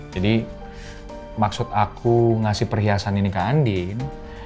jadi maksud aku ngasih perhiasan ini ke andien